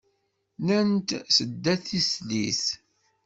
Nnan-d tedda d tislit.